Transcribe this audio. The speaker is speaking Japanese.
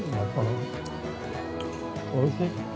◆おいしい。